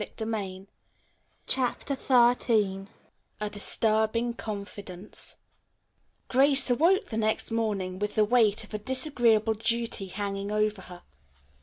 CHAPTER XIII A DISTURBING CONFIDENCE Grace awoke the next morning with the weight of a disagreeable duty hanging over her.